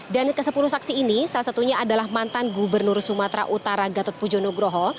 dan ke sepuluh saksi ini salah satunya adalah mantan gubernur sumatera utara gatot pujo nugroho